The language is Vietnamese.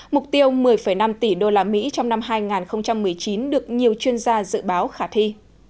mục tiêu một mươi năm tỷ usd trong năm hai nghìn một mươi chín được nhiều chuyên gia dự báo khả thi